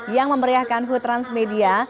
yang memeriahkan hutransmedia